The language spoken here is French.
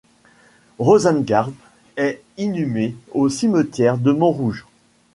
Rosengart est inhumé au cimetière de Montrouge.